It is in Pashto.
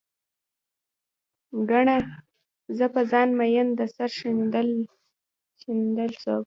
ګڼه، زه په ځان مين د سر ښندل څوک